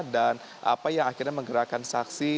dan apa yang akhirnya menggerakkan saksi